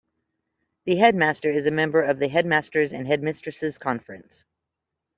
The Head Master is a member of the Headmasters' and Headmistresses' Conference.